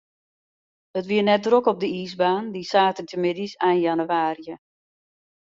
It wie net drok op de iisbaan, dy saterdeitemiddeis ein jannewaarje.